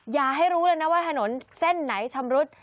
อย่าให้รู้เลยนะว่าถนนเส้นไหนชำรุด